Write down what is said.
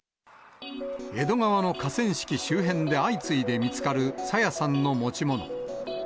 江戸川の河川敷周辺で相次いで見つかる朝芽さんの持ち物。